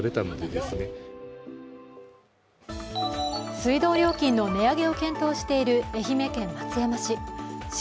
水道料金の値上げを検討している愛媛県松山市。